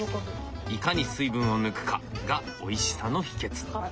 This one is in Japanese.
いかに水分を抜くかがおいしさの秘けつ。